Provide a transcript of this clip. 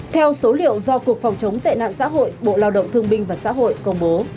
theo số liệu do cục phòng chống tệ nạn xã hội bộ lao động thương binh và xã hội công bố